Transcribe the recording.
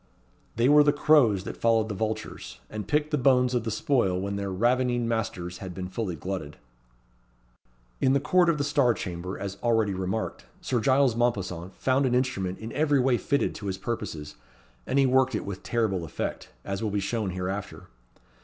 They were the crows that followed the vultures, and picked the bones of the spoil when their ravening masters had been fully glutted. In the court of Star Chamber, as already remarked, Sir Giles Mompesson found an instrument in every way fitted to his purposes; and he worked it with terrible effect, as will be shown hereafter.